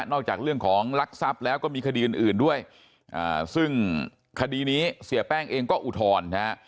จากเรื่องของลักทรัพย์แล้วก็มีคดีอื่นด้วยซึ่งคดีนี้เสียแป้งเองก็อุทธรณ์นะฮะ